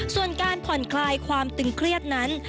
ส่วนการผ่อนคลายความตึงเครียดนั้น